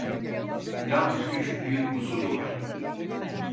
Yalnız küçük bir kusuru var: